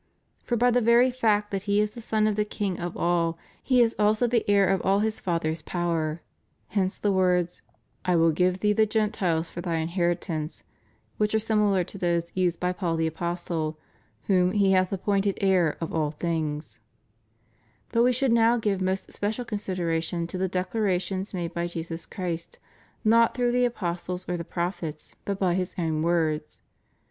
For by the very fact that He is the Son of the King of all, He is also the heir of all His Father's power: hence the words — I will give Thee the Gentiles for Thy inheritance, which are similar to those used by Paul the Apostle, whom He hath appointed heir of all things} But we should now give most special consideration to the declarations made by Jesus Christ, not through the apostles or the prophets, but by His own words.